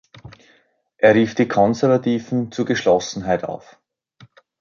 Er rief die Konservativen zu Geschlossenheit auf.